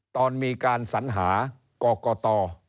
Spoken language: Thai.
ตอนมีการสัญหากรกต